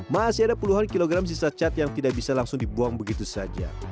masih ada puluhan kilogram sisa cat yang tidak bisa langsung dibuang begitu saja